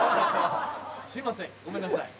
すいませんごめんなさい。